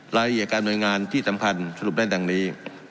รายละเอียดการหน่วยงานที่สำคัญสรุปได้ดังนี้